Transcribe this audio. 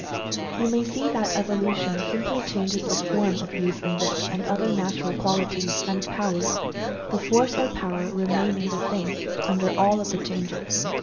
You may see that evolution simply changes the form of use in this and other natural qual ities, and power — the force or power remaining the same, under all of the changes.